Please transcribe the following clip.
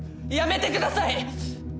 やめてください！